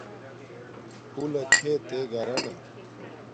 پھولہ چھے تے گھرانا